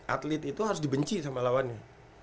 atlet itu harus dibenci sama lawannya